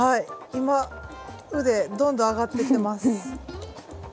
今腕どんどん上がっていってます。